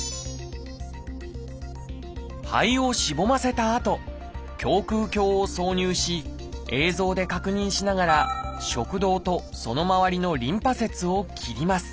肺をしぼませたあと胸くう鏡を挿入し映像で確認しながら食道とそのまわりのリンパ節を切ります。